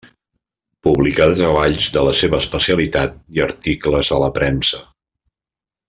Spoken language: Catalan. Publicà treballs de la seva especialitat i articles a la premsa.